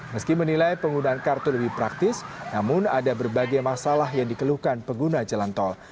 meski menilai penggunaan kartu lebih praktis namun ada berbagai masalah yang dikeluhkan pengguna jalan tol